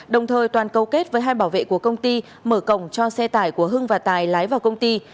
đồng thời toàn cầu kết với hai bảo vệ của công ty mở cổng cho xe tải của hưng và tài lái vào công ty